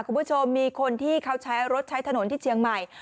คุณผู้ชมมีคนที่เขาใช้รถใช้ถนนที่เชียงใหม่